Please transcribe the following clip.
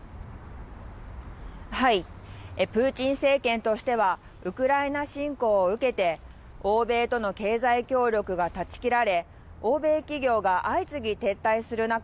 プーチン政権としては、ウクライナ侵攻を受けて、欧米との経済協力が断ち切られ、欧米企業が相次ぎ撤退する中、